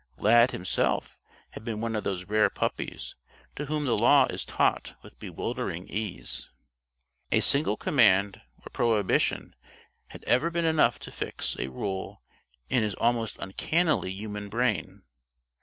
Lad himself had been one of those rare puppies to whom the Law is taught with bewildering ease. A single command or prohibition had ever been enough to fix a rule in his almost uncannily human brain.